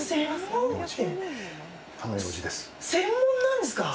専門なんですか？